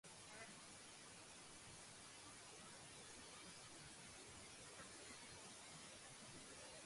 ზოგიერთი სახეობა იძულებული გახდა ბუდე გაეკეთებინა მხოლოდ არქიპელაგის მცირე კლდეებზე.